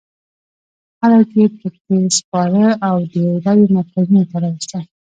خلک یې په کې سپاره او د رایو مرکزونو ته راوستل.